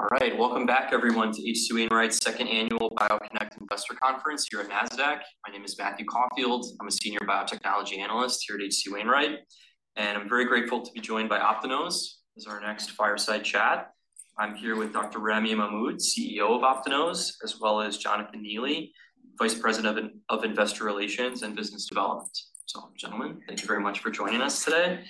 All right, welcome back, everyone, to H.C. Wainwright's second annual BioConnect Investor Conference here at Nasdaq. My name is Matthew Caulfield. I'm a senior biotechnology analyst here at H.C. Wainwright, and I'm very grateful to be joined by OptiNose as our next fireside chat. I'm here with Dr. Ramy Mahmoud, CEO of OptiNose, as well as Jonathan Neely, Vice President of Investor Relations and Business Development. So, gentlemen, thank you very much for joining us today.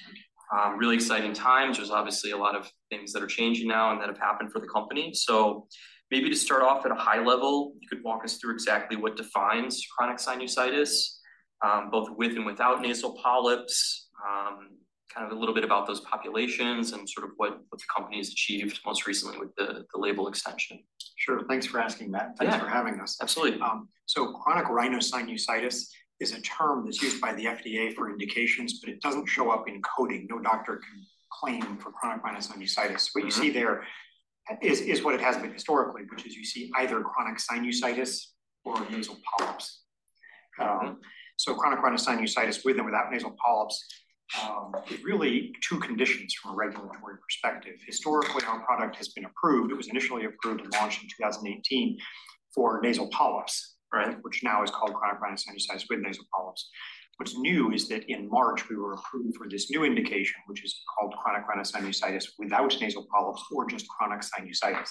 Really exciting times. There's obviously a lot of things that are changing now and that have happened for the company. So maybe to start off at a high level, you could walk us through exactly what defines chronic sinusitis, both with and without nasal polyps. Kind of a little bit about those populations and sort of what the company has achieved most recently with the label extension. Sure. Thanks for asking, Matt. Yeah. Thanks for having us. Absolutely. Chronic rhinosinusitis is a term that's used by the FDA for indications, but it doesn't show up in coding. No doctor can claim for chronic rhinosinusitis. Mm-hmm. What you see there is what it has been historically, which is you see either chronic sinusitis or nasal polyps. Mm-hmm. So chronic rhinosinusitis, with and without nasal polyps, is really two conditions from a regulatory perspective. Historically, our product has been approved... It was initially approved and launched in 2018 for nasal polyps- Right... which now is called chronic rhinosinusitis with nasal polyps. What's new is that in March, we were approved for this new indication, which is called chronic rhinosinusitis without nasal polyps, or just chronic sinusitis,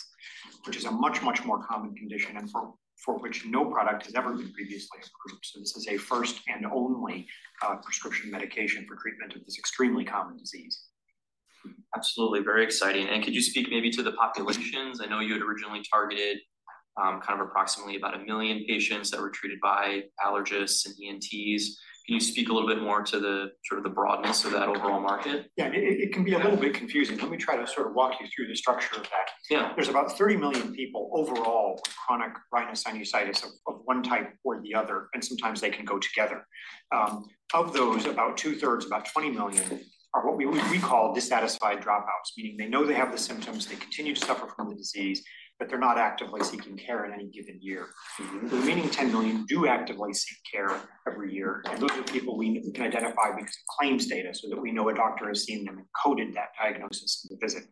which is a much, much more common condition, and for which no product has ever been previously approved. So this is a first and only prescription medication for treatment of this extremely common disease. Absolutely. Very exciting. Could you speak maybe to the populations? I know you had originally targeted, kind of approximately about 1 million patients that were treated by allergists and ENTs. Can you speak a little bit more to the sort of the broadness of that overall market? Yeah, it can be a little bit confusing. Let me try to sort of walk you through the structure of that. Yeah. There's about 30 million people overall with chronic rhinosinusitis of one type or the other, and sometimes they can go together. Of those, about two-thirds, about 20 million, are what we call dissatisfied dropouts, meaning they know they have the symptoms, they continue to suffer from the disease, but they're not actively seeking care in any given year. Mm-hmm. The remaining 10 million do actively seek care every year, and those are people we can identify because of claims data so that we know a doctor has seen them and coded that diagnosis at the visit.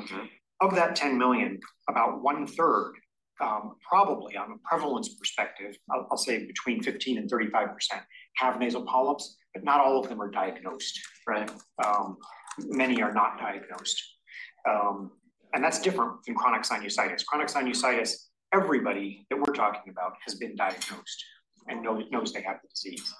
Okay. Of that 10 million, about one-third, probably on a prevalence perspective, I'll say between 15%-35%, have nasal polyps, but not all of them are diagnosed, right? Many are not diagnosed. And that's different from chronic sinusitis. Chronic sinusitis, everybody that we're talking about has been diagnosed, and knows they have the disease.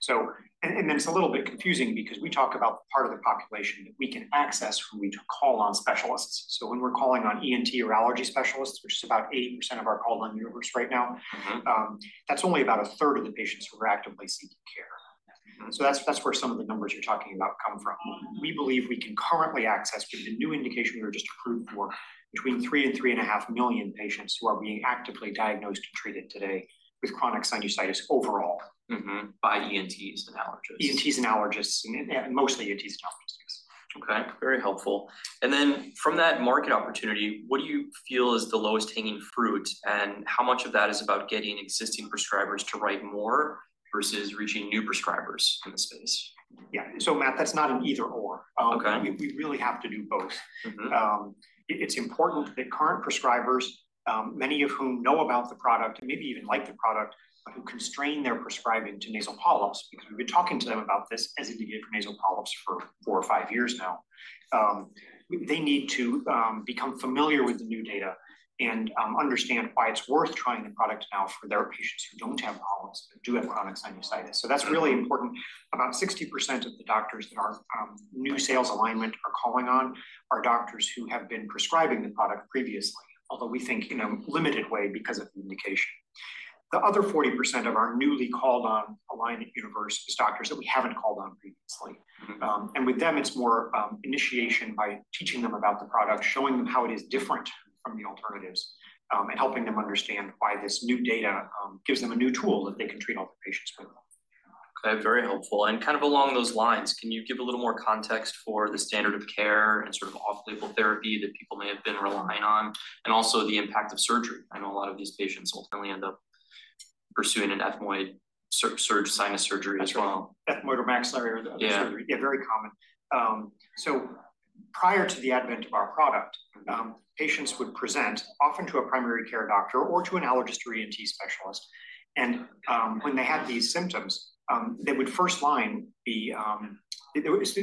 So... And then it's a little bit confusing because we talk about part of the population that we can access, who we call on specialists. So when we're calling on ENT or allergy specialists, which is about 80% of our call on universe right now- Mm-hmm... that's only about a third of the patients who are actively seeking care. Mm-hmm. So that's where some of the numbers you're talking about come from. We believe we can currently access, with the new indication we were just approved for, between 3 and 3.5 million patients who are being actively diagnosed and treated today with chronic sinusitis overall. Mm-hmm, by ENTs and allergists. ENTs and allergists, and mostly ENTs and allergists. Okay, very helpful. Then, from that market opportunity, what do you feel is the lowest hanging fruit, and how much of that is about getting existing prescribers to write more versus reaching new prescribers in the space? Yeah. So, Matt, that's not an either/or. Okay. We really have to do both. Mm-hmm. It's important that current prescribers, many of whom know about the product and maybe even like the product, but who constrain their prescribing to nasal polyps, because we've been talking to them about this as indicated for nasal polyps for four or five years now. They need to become familiar with the new data and understand why it's worth trying the product now for their patients who don't have polyps but do have chronic sinusitis. So that's really important. About 60% of the doctors that our new sales alignment are calling on are doctors who have been prescribing the product previously, although we think in a limited way because of the indication. The other 40% of our newly called on alignment universe is doctors that we haven't called on previously. Mm-hmm. With them, it's more initiation by teaching them about the product, showing them how it is different from the alternatives, and helping them understand why this new data gives them a new tool that they can treat all their patients with. Okay, very helpful. And kind of along those lines, can you give a little more context for the standard of care and sort of off-label therapy that people may have been relying on, and also the impact of surgery? I know a lot of these patients ultimately end up pursuing an ethmoid surgery, sinus surgery as well. That's right. Ethmoid or maxillary or other surgery. Yeah. Yeah, very common. So prior to the advent of our product- Mm-hmm... patients would present, often to a primary care doctor or to an allergist or ENT specialist, and, when they had these symptoms, the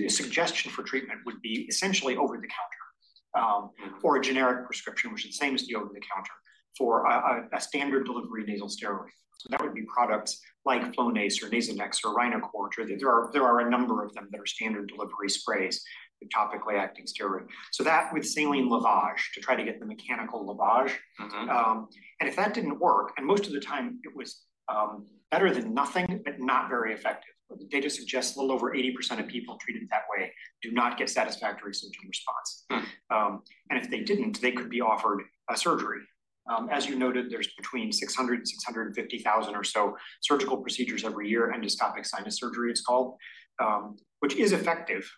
suggestion for treatment would be essentially over-the-counter, or a generic prescription, which is the same as the over-the-counter, for a standard delivery nasal steroid. So that would be products like Flonase or Nasonex or Rhinocort, or there are a number of them that are standard delivery sprays with topically acting steroid. So that with saline lavage, to try to get the mechanical lavage. Mm-hmm. If that didn't work, and most of the time it was better than nothing, but not very effective. The data suggests a little over 80% of people treated that way do not get satisfactory symptom response. Hmm. If they didn't, they could be offered a surgery. As you noted, there's between 600 and 650,000 or so surgical procedures every year, endoscopic sinus surgery, it's called, which is effective.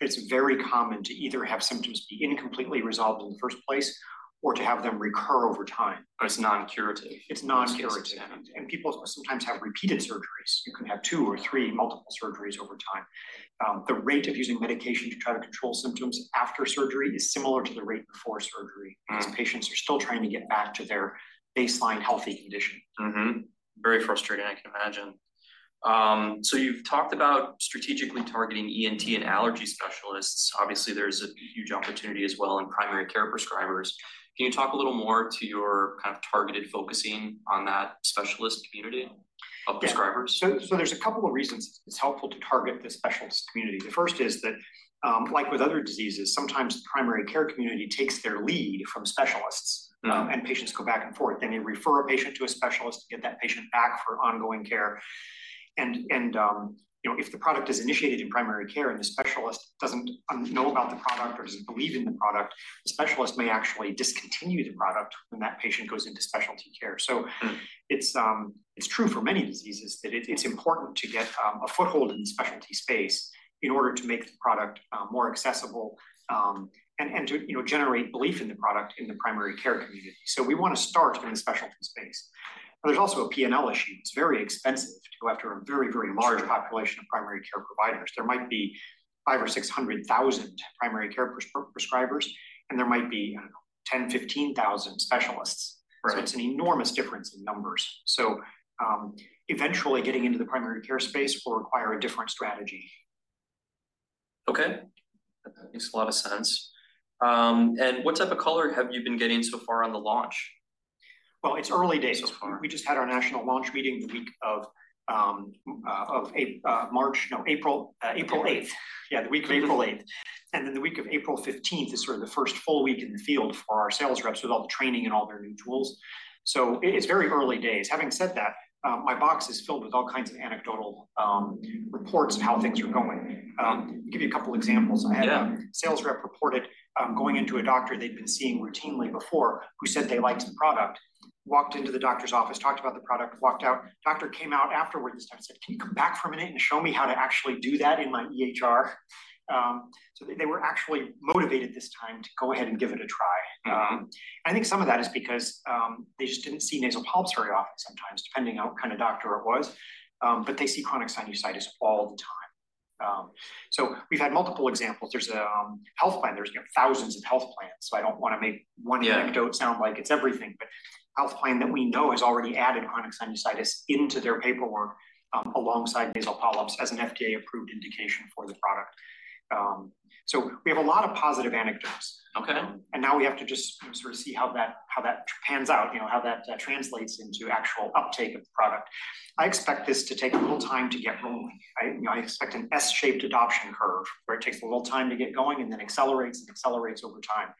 It's very common to either have symptoms be incompletely resolved in the first place or to have them recur over time. But it's non-curative? It's non-curative. Okay. People sometimes have repeated surgeries. You can have two or three multiple surgeries over time. The rate of using medication to try to control symptoms after surgery is similar to the rate before surgery. Hmm... these patients are still trying to get back to their baseline healthy condition. Mm-hmm. Very frustrating, I can imagine. So you've talked about strategically targeting ENT and allergy specialists. Obviously, there's a huge opportunity as well in primary care prescribers. Can you talk a little more to your kind of targeted focusing on that specialist community of prescribers? Yeah. So, there's a couple of reasons it's helpful to target the specialist community. The first is that, like with other diseases, sometimes the primary care community takes their lead from specialists. Mm. and patients go back and forth. They may refer a patient to a specialist to get that patient back for ongoing care. And, you know, if the product is initiated in primary care, and the specialist doesn't know about the product or doesn't believe in the product, the specialist may actually discontinue the product when that patient goes into specialty care. So- Mm. It's true for many diseases that it's important to get a foothold in the specialty space in order to make the product more accessible, and to, you know, generate belief in the product in the primary care community. So we wanna start in the specialty space. There's also a P&L issue. It's very expensive to go after a very, very large- Sure Population of primary care providers. There might be 500,000 or 600,000 primary care prescribers, and there might be, I don't know, 10-15 thousand specialists. Right. It's an enormous difference in numbers. Eventually getting into the primary care space will require a different strategy. Okay, that makes a lot of sense. What type of color have you been getting so far on the launch? Well, it's early days so far. We just had our national launch meeting the week of April 8th. Yeah, the week of April 8th. And then, the week of April 15th is sort of the first full week in the field for our sales reps, with all the training and all their new tools. So it's very early days. Having said that, my box is filled with all kinds of anecdotal reports of how things are going. Give you a couple examples. Yeah. I had a sales rep reported, going into a doctor they'd been seeing routinely before, who said they liked the product. Walked into the doctor's office, talked about the product, walked out. Doctor came out afterwards, this time said, "Can you come back for a minute and show me how to actually do that in my EHR?" So they were actually motivated this time to go ahead and give it a try. Mm-hmm. I think some of that is because they just didn't see nasal polyps very often, sometimes, depending on what kind of doctor it was. But they see chronic sinusitis all the time. So we've had multiple examples. There's a health plan. There's, you know, thousands of health plans, so I don't wanna make one anecdote- Yeah sound like it's everything. But health plan that we know has already added chronic sinusitis into their paperwork, alongside nasal polyps as an FDA-approved indication for the product. So we have a lot of positive anecdotes. Okay. Now we have to just sort of see how that pans out, you know, how that translates into actual uptake of the product. I expect this to take a little time to get rolling. You know, I expect an S-shaped adoption curve, where it takes a little time to get going and then accelerates and accelerates over time,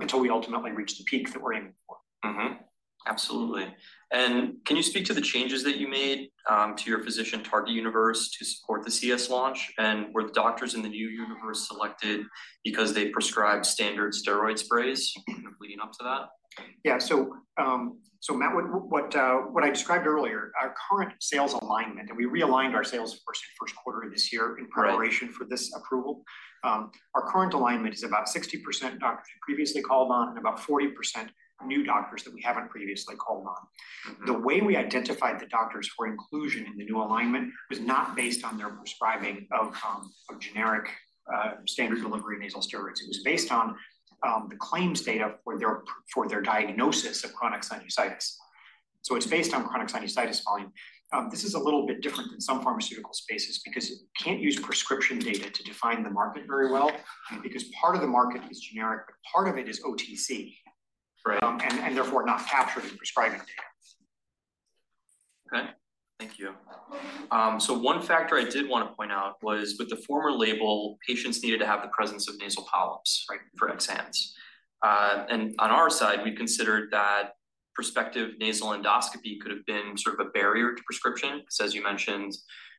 until we ultimately reach the peak that we're aiming for. Mm-hmm. Absolutely. And can you speak to the changes that you made to your physician target universe to support the CS launch? And were the doctors in the new universe selected because they prescribed standard steroid sprays leading up to that? Yeah. So, Matt, what I described earlier, our current sales alignment, and we realigned our sales for first quarter of this year- Right... in preparation for this approval. Our current alignment is about 60% doctors we previously called on, and about 40% new doctors that we haven't previously called on. Mm-hmm. The way we identified the doctors for inclusion in the new alignment was not based on their prescribing of generic standard delivery nasal steroids. It was based on the claims data for their diagnosis of chronic sinusitis. So it's based on chronic sinusitis volume. This is a little bit different than some pharmaceutical spaces, because you can't use prescription data to define the market very well, because part of the market is generic, but part of it is OTC- Right ... and therefore, not captured in prescribing data. Okay, thank you. So one factor I did wanna point out was, with the former label, patients needed to have the presence of nasal polyps, right, for XHANCE. And on our side, we considered that prospective nasal endoscopy could have been sort of a barrier to prescription, because, as you mentioned,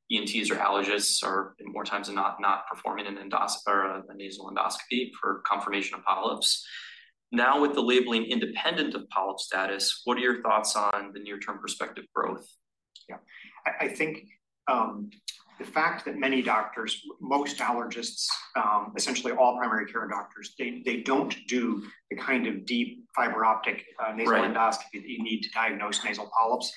ENTs or allergists are, more times than not, not performing an endoscopy or a nasal endoscopy for confirmation of polyps. Now, with the labeling independent of polyp status, what are your thoughts on the near-term prospective growth? Yeah. I think the fact that many doctors, most allergists, essentially all primary care doctors, they don't do the kind of deep fiberoptic Right... nasal endoscopy that you need to diagnose nasal polyps.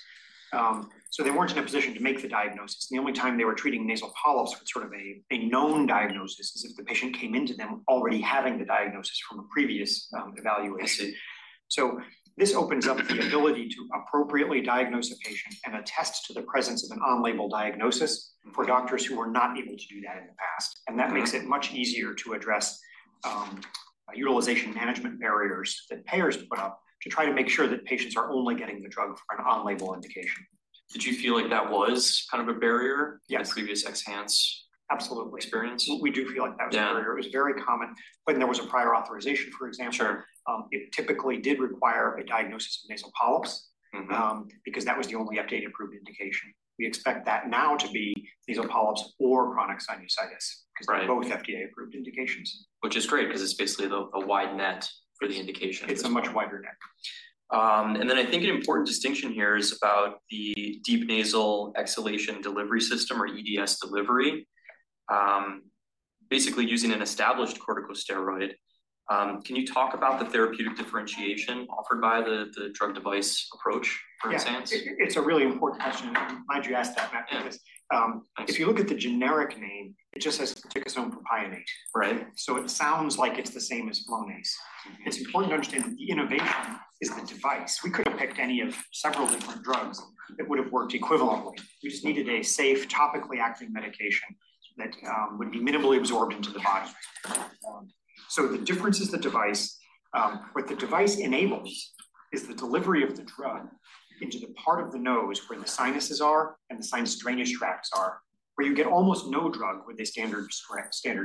So they weren't in a position to make the diagnosis. The only time they were treating nasal polyps was sort of a known diagnosis, as if the patient came into them already having the diagnosis from a previous evaluation. Mm-hmm. This opens up the ability to appropriately diagnose a patient and attest to the presence of an on-label diagnosis- Mm... for doctors who were not able to do that in the past. Mm. That makes it much easier to address utilization management barriers that payers put up, to try to make sure that patients are only getting the drug for an on-label indication. Did you feel like that was kind of a barrier? Yes... in the previous XHANCE- Absolutely -experience? We do feel like that was a barrier. Yeah. It was very common. When there was a prior authorization, for example- Sure... it typically did require a diagnosis of nasal polyps. Mm-hmm... because that was the only FDA-approved indication. We expect that now to be nasal polyps or chronic sinusitis- Right because they're both FDA-approved indications. Which is great, because it's basically a wide net for the indication. It's a much wider net. I think an important distinction here is about the deep nasal exhalation delivery system, or EDS delivery. Basically using an established corticosteroid-... Can you talk about the therapeutic differentiation offered by the, the drug device approach, for instance? Yeah, it's a really important question. I'm glad you asked that, Matt- Yeah -because, if you look at the generic name, it just has azelastine propionate. Right. It sounds like it's the same as Flonase. It's important to understand that the innovation is the device. We could have picked any of several different drugs that would have worked equivalently. We just needed a safe, topically active medication that would be minimally absorbed into the body. So the difference is the device. What the device enables is the delivery of the drug into the part of the nose where the sinuses are and the sinus drainage tracts are, where you get almost no drug with a standard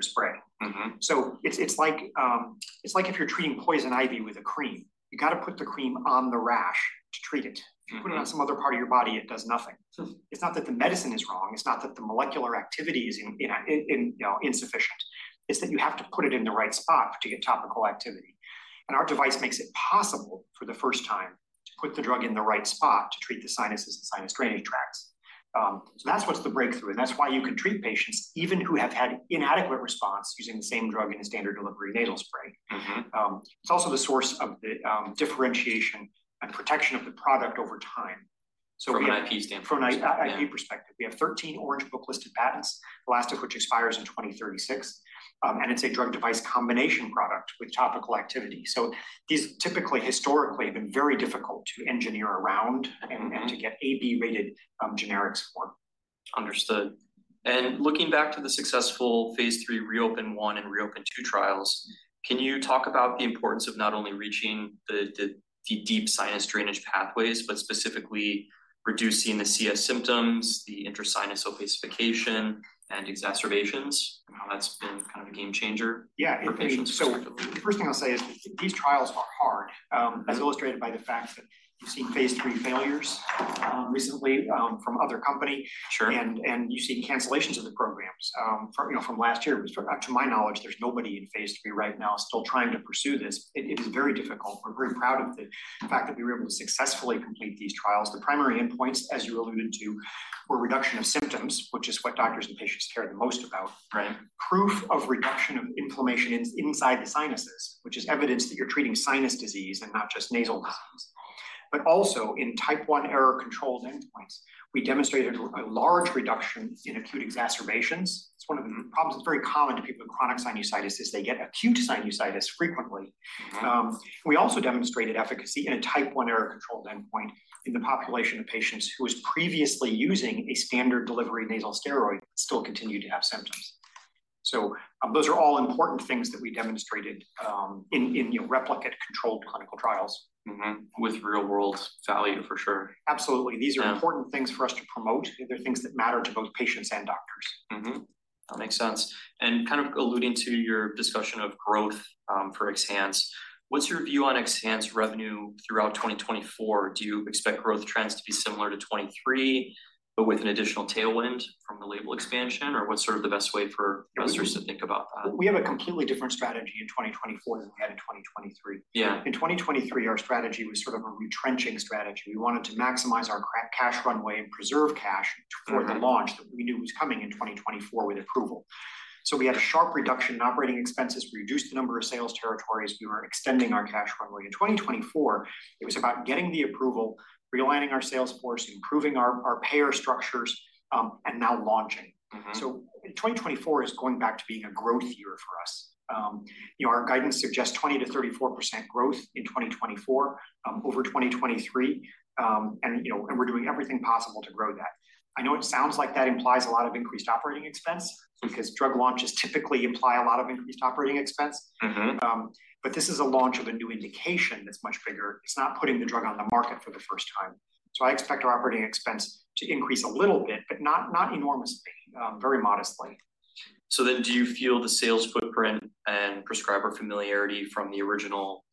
spray. Mm-hmm. So it's like if you're treating poison ivy with a cream, you got to put the cream on the rash to treat it. Mm-hmm. If you put it on some other part of your body, it does nothing. Mm. It's not that the medicine is wrong, it's not that the molecular activity is, you know, insufficient. It's that you have to put it in the right spot to get topical activity, and our device makes it possible for the first time to put the drug in the right spot to treat the sinuses and sinus drainage tracts. So that's what's the breakthrough, and that's why you can treat patients even who have had inadequate response using the same drug in a standard delivery nasal spray. Mm-hmm. It's also the source of the differentiation and protection of the product over time. So- From an IP standpoint. From an IP perspective. Yeah... we have 13 Orange Book listed patents, the last of which expires in 2036. It's a drug device combination product with topical activity. So these typically, historically, have been very difficult to engineer around- Mm-hmm... and to get AB-rated generics for. Understood. And looking back to the successful Phase III REOPEN I and REOPEN II trials, can you talk about the importance of not only reaching the deep sinus drainage pathways, but specifically reducing the CS symptoms, the intrasinus opacification, and exacerbations, and how that's been kind of a game changer? Yeah -for patients' perspective? The first thing I'll say is these trials are hard. Mm-hmm... as illustrated by the fact that you've seen Phase III failures, recently, from other company. Sure. And you've seen cancellations of the programs, from, you know, from last year. But to my knowledge, there's nobody in Phase III right now still trying to pursue this. It is very difficult. We're very proud of the fact that we were able to successfully complete these trials. The primary endpoints, as you alluded to, were reduction of symptoms, which is what doctors and patients care the most about. Right. Proof of reduction of inflammation inside the sinuses, which is evidence that you're treating sinus disease and not just nasal symptoms. But also in Type I error controlled endpoints, we demonstrated a large reduction in acute exacerbations. Mm-hmm. It's one of the problems that's very common to people with chronic sinusitis, is they get acute sinusitis frequently. Mm-hmm. We also demonstrated efficacy in a Type I error controlled endpoint in the population of patients who was previously using a standard delivery nasal steroid, but still continued to have symptoms. So, those are all important things that we demonstrated, in you know, replicate controlled clinical trials. Mm-hmm, with real world value, for sure. Absolutely. Yeah. These are important things for us to promote. They're things that matter to both patients and doctors. Mm-hmm, that makes sense. And kind of alluding to your discussion of growth, for XHANCE, what's your view on XHANCE revenue throughout 2024? Do you expect growth trends to be similar to 2023, but with an additional tailwind from the label expansion, or what's sort of the best way for investors to think about that? We have a completely different strategy in 2024 than we had in 2023. Yeah. In 2023, our strategy was sort of a retrenching strategy. We wanted to maximize our cash runway and preserve cash- Mm-hmm... for the launch that we knew was coming in 2024 with approval. So we had a sharp reduction in operating expenses, reduced the number of sales territories. We were extending our cash runway. In 2024, it was about getting the approval, realigning our sales force, improving our payer structures, and now launching. Mm-hmm. So 2024 is going back to being a growth year for us. You know, our guidance suggests 20%-34% growth in 2024 over 2023. You know, and we're doing everything possible to grow that. I know it sounds like that implies a lot of increased operating expense- Mm-hmm... because drug launches typically imply a lot of increased operating expense. Mm-hmm. But this is a launch of a new indication that's much bigger. It's not putting the drug on the market for the first time. So I expect our operating expense to increase a little bit, but not, not enormously, very modestly. Do you feel the sales footprint and prescriber familiarity from the original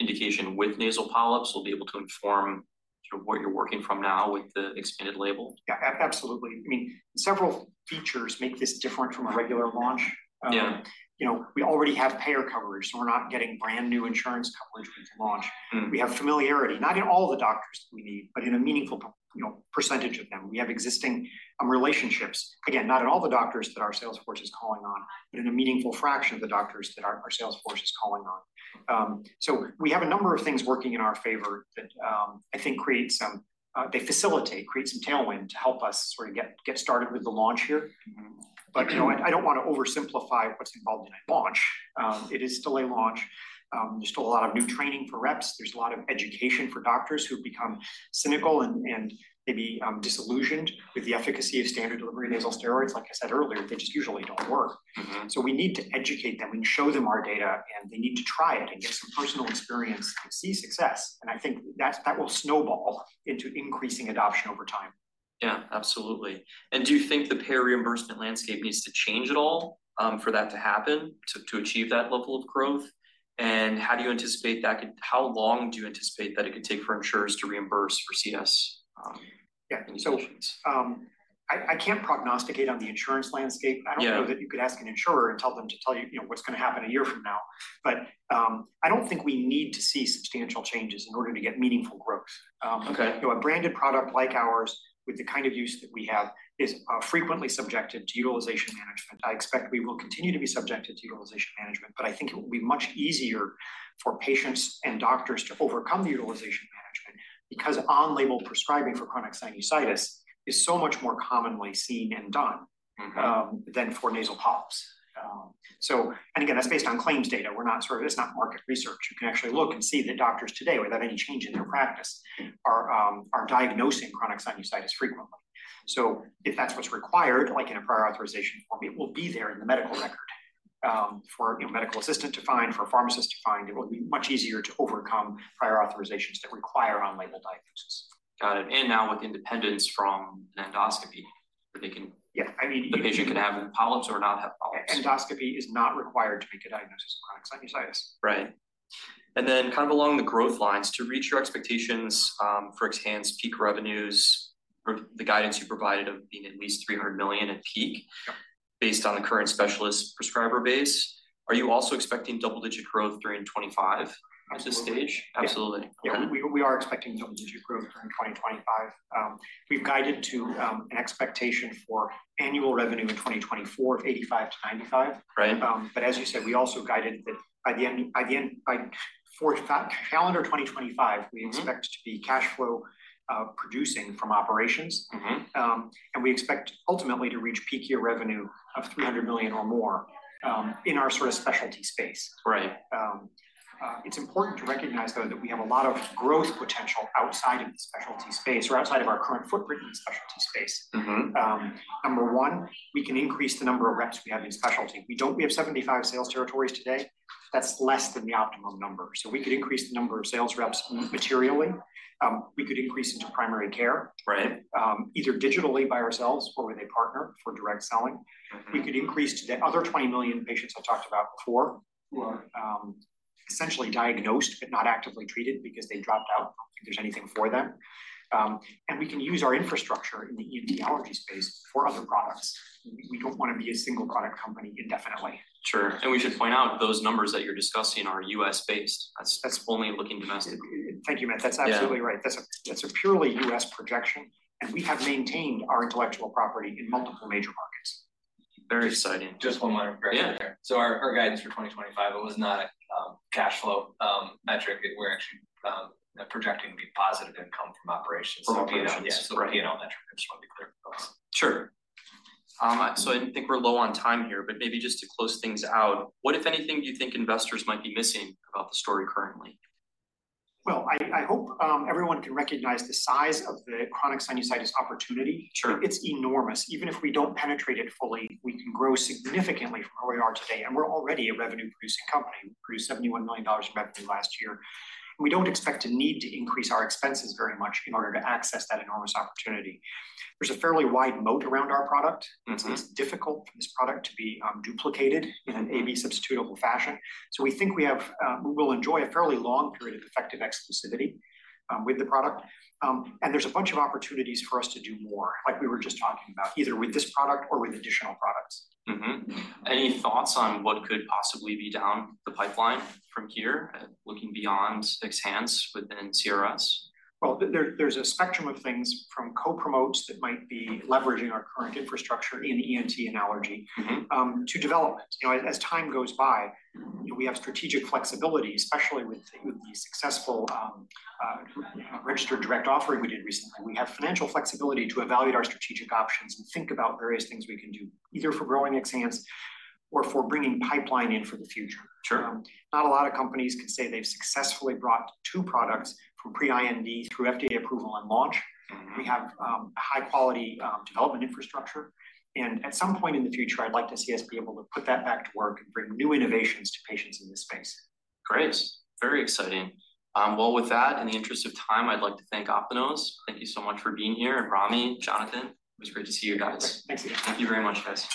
indication with nasal polyps will be able to inform sort of what you're working from now with the expanded label? Yeah, absolutely. I mean, several features make this different from a regular launch. Yeah. You know, we already have payer coverage, so we're not getting brand-new insurance coverage with the launch. Mm. We have familiarity, not in all the doctors we need, but in a meaningful, you know, percentage of them. We have existing relationships. Again, not in all the doctors that our sales force is calling on, but in a meaningful fraction of the doctors that our sales force is calling on. So we have a number of things working in our favor that I think create some tailwind to help us sort of get started with the launch here. Mm-hmm. But, you know, I don't want to oversimplify what's involved in a launch. It is still a launch. There's still a lot of new training for reps. There's a lot of education for doctors who become cynical and maybe disillusioned with the efficacy of standard delivery nasal steroids. Like I said earlier, they just usually don't work. Mm-hmm. We need to educate them and show them our data, and they need to try it and get some personal experience to see success, and I think that will snowball into increasing adoption over time. Yeah, absolutely. And do you think the payer reimbursement landscape needs to change at all, for that to happen, to achieve that level of growth? And how do you anticipate that could, how long do you anticipate that it could take for insurers to reimburse for CS, Yeah- indications?... so, I can't prognosticate on the insurance landscape. Yeah. I don't know that you could ask an insurer and tell them to tell you, you know, what's gonna happen a year from now, but I don't think we need to see substantial changes in order to get meaningful growth. Okay. You know, a branded product like ours, with the kind of use that we have, is frequently subjected to utilization management. I expect we will continue to be subjected to utilization management, but I think it will be much easier for patients and doctors to overcome the utilization management, because on-label prescribing for chronic sinusitis is so much more commonly seen and done- Mm-hmm... than for nasal polyps. So, and again, that's based on claims data. We're not. It's not market research. You can actually look and see that doctors today, without any change in their practice, are diagnosing chronic sinusitis frequently. So if that's what's required, like in a prior authorization form, it will be there in the medical record, for you know, medical assistant to find, for a pharmacist to find. It will be much easier to overcome prior authorizations that require on-label diagnosis. Got it. And now with independence from an endoscopy, where they can- Yeah, I mean- The patient can have polyps or not have polyps. Endoscopy is not required to make a diagnosis of chronic sinusitis. Right. And then kind of along the growth lines, to reach your expectations, for XHANCE peak revenues, the guidance you provided of being at least $300 million at peak- Yeah... based on the current specialist prescriber base, are you also expecting double-digit growth during 25 at this stage? Absolutely. Absolutely. Yeah, we are expecting double-digit growth during 2025. We've guided to an expectation for annual revenue in 2024 of $85-$95. Right. but as you said, we also guided that by the end for calendar 2025- Mm-hmm... we expect to be cash flow producing from operations. Mm-hmm. We expect ultimately to reach peak year revenue of $300 million or more, in our sort of specialty space. Right. It's important to recognize, though, that we have a lot of growth potential outside of the specialty space or outside of our current footprint in the specialty space. Mm-hmm. Number one, we can increase the number of reps we have in specialty. We have 75 sales territories today. That's less than the optimum number. So we could increase the number of sales reps materially. We could increase into primary care. Right... either digitally by ourselves or with a partner for direct selling. Mm-hmm. We could increase to the other 20 million patients I talked about before- Mm-hmm... who are, essentially diagnosed but not actively treated because they dropped out, if there's anything for them. And we can use our infrastructure in the ENT allergy space for other products. We don't want to be a single product company indefinitely. Sure. And we should point out, those numbers that you're discussing are U.S.-based. That's, that's only looking domestically. Thank you, Matt. Yeah. That's absolutely right. That's a purely U.S. projection, and we have maintained our intellectual property in multiple major markets. Very exciting. Just one more progression there. Yeah. So our guidance for 2025 was not a cash flow metric that we're actually projecting to be positive income from operations. From operations. Yes, the P&L metric. I just want to be clear. Sure. So I think we're low on time here, but maybe just to close things out, what, if anything, do you think investors might be missing about the story currently? Well, I hope everyone can recognize the size of the chronic sinusitis opportunity. Sure. It's enormous. Even if we don't penetrate it fully, we can grow significantly from where we are today, and we're already a revenue-producing company. We produced $71 million in revenue last year. We don't expect to need to increase our expenses very much in order to access that enormous opportunity. There's a fairly wide moat around our product. Mm-hmm. It's difficult for this product to be duplicated in an AB substitutable fashion. So we think we'll enjoy a fairly long period of effective exclusivity with the product. And there's a bunch of opportunities for us to do more, like we were just talking about, either with this product or with additional products. Mm-hmm. Any thoughts on what could possibly be down the pipeline from here, looking beyond XHANCE within CRS? Well, there's a spectrum of things from co-promotes that might be leveraging our current infrastructure in ENT and allergy- Mm-hmm... to development. You know, as time goes by- Mm-hmm... we have strategic flexibility, especially with the successful, registered direct offering we did recently. We have financial flexibility to evaluate our strategic options and think about various things we can do, either for growing XHANCE or for bringing pipeline in for the future. Sure. Not a lot of companies can say they've successfully brought two products from pre-IND through FDA approval and launch. Mm-hmm. We have high quality development infrastructure, and at some point in the future, I'd like to see us be able to put that back to work and bring new innovations to patients in this space. Great. Very exciting. Well, with that, in the interest of time, I'd like to thank Optinose. Thank you so much for being here. Ramy, Jonathan, it was great to see you guys. Thanks again. Thank you very much, guys.